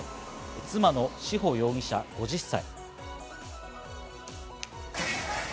妻の志保容疑者、５０歳。